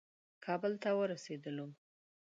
کابل ته ورسېدلو.